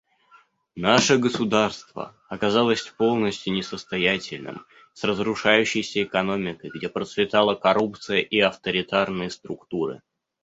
Наше государство оказалось полностью несостоятельным с разрушающейся экономикой, где процветала коррупция и авторитарные структуры.